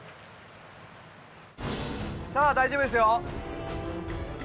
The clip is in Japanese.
さあ大丈夫ですよ！